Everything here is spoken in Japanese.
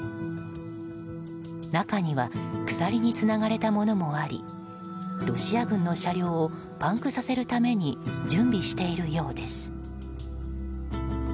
中には鎖につながれたものもありロシア軍の車両をパンクさせるために準備しているようです。